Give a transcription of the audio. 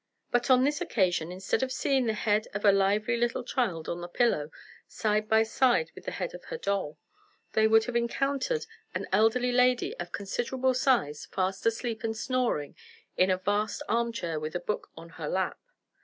But on this occasion, instead of seeing the head of a lively little child on the pillow, side by side with the head of her doll, they would have encountered an elderly lady of considerable size, fast asleep and snoring in a vast armchair, with a book on her lap.